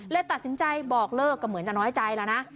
ตัดสินใจบอกเลิกก็เหมือนจะน้อยใจแล้วนะ